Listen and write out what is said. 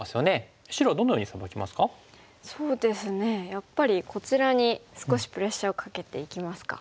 やっぱりこちらに少しプレッシャーをかけていきますか。